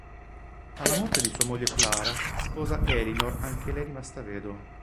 Alla morte di sua moglie Clara sposa Elinor anche lei rimasta vedova.